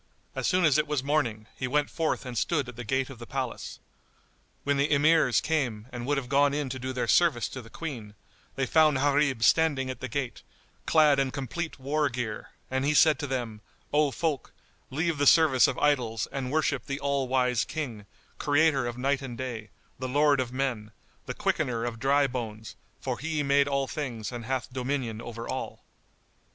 As soon as it was morning, he went forth and stood at the gate of the palace. When the Emirs came and would have gone in to do their service to the Queen, they found Gharib standing at the gate, clad in complete war gear; and he said to them, "O folk, leave the service of idols and worship the All wise King, Creator of Night and Day, the Lord of men, the Quickener of dry bones, for He made all things and hath dominion over all."